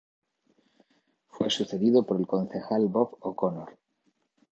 Fue sucedido por el concejal Bob O'Connor.